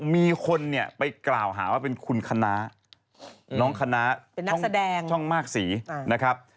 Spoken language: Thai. มีคนเนี่ยไปกล่าวหาว่าเป็นคุณคณะน้องคณะเป็นนักแสดงช่องมากสีนะครับ